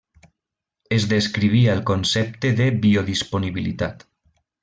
Es descrivia el concepte de biodisponibilitat.